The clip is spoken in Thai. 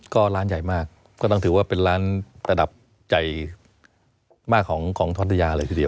ก็ร้านใหญ่มากก็ต้องถือว่าเป็นร้านระดับใจมากของพัทยาเลยทีเดียว